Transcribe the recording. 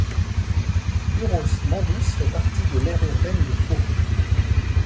Burosse-Mendousse fait partie de l'aire urbaine de Pau.